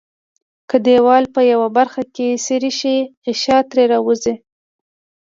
که دیوال په یوه برخه کې څیري شي غشا ترې راوځي.